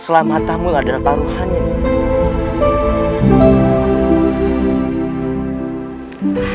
keselamatanmu adalah paruhan nimas